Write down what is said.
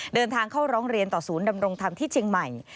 เดินทางเข้าร้องเรียนต่อศูนย์ดำรงธรรมที่เชียงใหม่